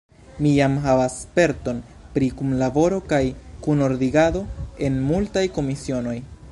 Mi jam havas sperton pri kunlaboro kaj kunordigado en multaj komisionoj.